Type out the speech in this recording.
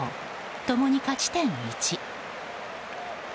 ともに勝ち点１。